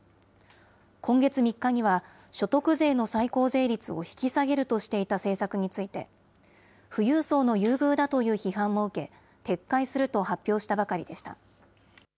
今月３日には、所得税の最高税率を引き下げるとしていた政策について、富裕層の優遇だという批判も受け、撤回すると発表したばかりでした。